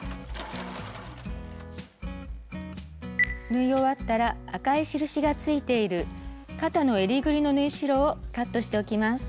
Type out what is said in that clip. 縫い終わったら赤い印がついている肩の襟ぐりの縫い代をカットしておきます。